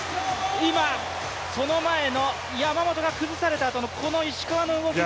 今、この前の山本が崩されたあとのこの石川の動き。